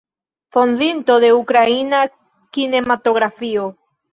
Fondinto de ukraina kinematografio.